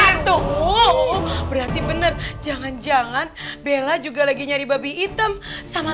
atuh berarti bener jangan jangan bella juga lagi nyari babi hitam sama li minho